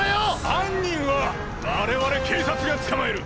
犯人は我々警察が捕まえる！